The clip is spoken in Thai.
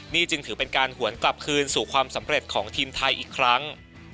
นี่จึงถือเป็นการหวนกลับคืนสู่ความสำเร็จของทีมไทยอีกครั้ง